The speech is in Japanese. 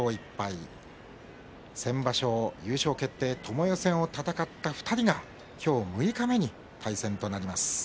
先場所、優勝決定のともえ戦を戦った２人は今日六日目の対戦となります。